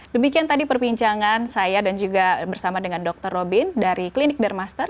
demikian tadi perbincangan saya dan juga bersama dengan dr robin dari klinik dermaster